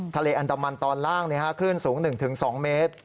ทะเลอันดามันตอนล่างคลื่นสูง๑๒เมตร